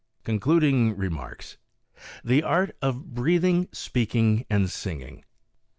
Concluding Remarks. THE ART OF BREATHING, SPEAKING AND SINGING.